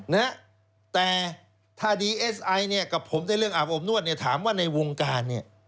นะแต่ถ้าดีเอสไอกับผมในเรื่องอาบอมนวดถามว่าในวงการ